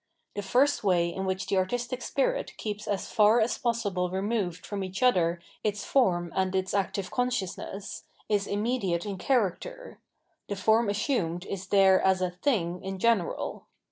The first way in which the artistic spirit keeps as far as possible removed from each other its form and its active consciousness, is immediate in character — ^the form assumed is there as a " thing " in general.